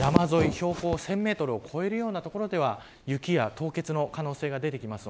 標高１０００メートルを超えるような所では雪や凍結の可能性が出てきます。